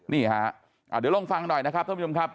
นี่ฮะเดี๋ยวลองฟังหน่อยนะครับท่านผู้ชมครับ